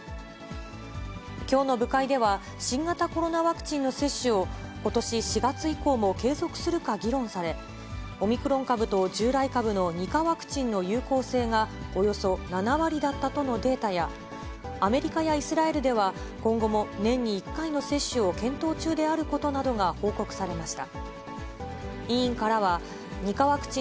きょうの部会では、新型コロナワクチンの接種を、ことし４月以降も継続するか議論され、オミクロン株と従来株の２かワクチンの有効性がおよそ７割だったとのデータや、アメリカやイスラエルでは、今後も年に１回の接種を検討中であることなどが報告されました。